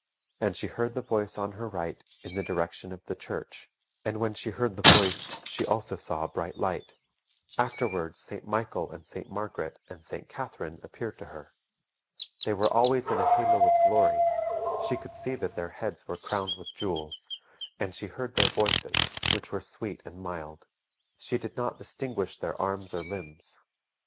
And she heard the voice on her right, in the direction of the church; and when she heard the voice she also saw a bright light. Afterwards, St. Michael and St. Margaret and St. Catherine appeared to her. They were always in a halo of glory; she could see that their heads were crowned with jewels: and she heard their voices, which were sweet and mild. She did not distinguish their arms or limbs.